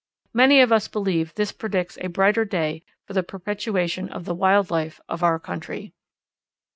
Many of us believe this predicts a brighter day for the perpetuation of the wild life of our country.